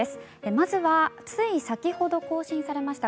まずはつい先ほど更新されました